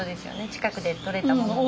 近くで取れたものを。